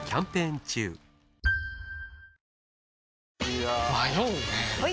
いや迷うねはい！